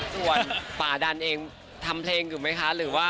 ส่วนป่าดันเองทำเพลงอยู่ไหมคะหรือว่า